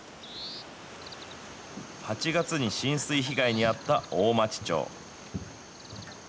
８月に浸水被害に遭った大町町。